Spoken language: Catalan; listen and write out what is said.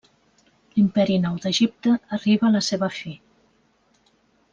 L'Imperi Nou d'Egipte arriba a la seva fi.